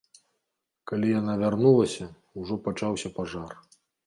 Калі яна вярнулася, ужо пачаўся пажар.